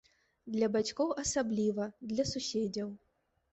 Для бацькоў асабліва, для суседзяў.